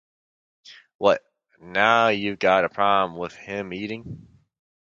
What, now you've got a problem with him eating?